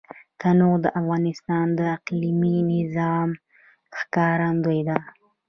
تنوع د افغانستان د اقلیمي نظام ښکارندوی ده.